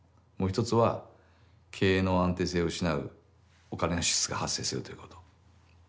もう１つは経営の安定性を失うお金の支出が発生するということ。